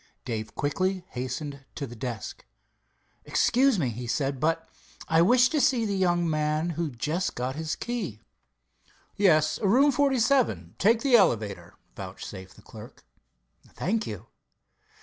Dave quickly hastened to the desk. "Excuse me," he said, "but I wish to see the young man who just got his key." "Yes, room 47. Take the elevator," vouchsafed the clerk. "Thank you."